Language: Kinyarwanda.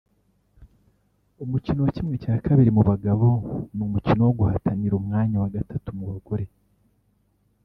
umukino wa ½ mu bagabo n’umukino wo guhatanira umwanya wa gatatu mu bagore